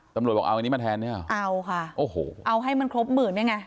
ตำรวจบอกเอาอันนี้มาแทนเนี่ยเอาค่ะโอ้โหเอาให้มันครบหมื่นนี่ไง